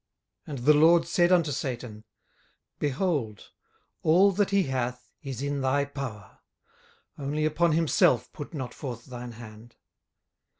18:001:012 And the LORD said unto Satan, Behold, all that he hath is in thy power; only upon himself put not forth thine hand.